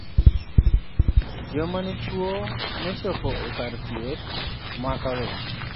Joma ne tuo nochopo e kar thieth ma karen.